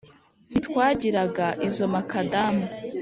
ntitwagiraga izo makadamu